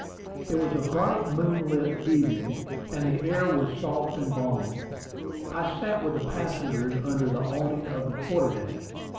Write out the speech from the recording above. It was a bright moonlight evening, and the air was soft and balmy. I sat with the passengers under the awning on the quarter deck.